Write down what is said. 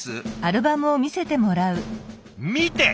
見て！